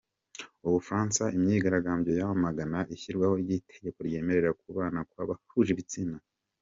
U Bufaransa Imyigaragambyo yamagana ishyirwaho ry’itegeko ryemera kubana kw’abahuje ibitsina